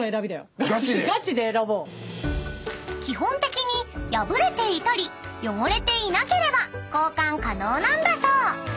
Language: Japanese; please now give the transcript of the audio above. ［基本的に破れていたり汚れていなければ交換可能なんだそう］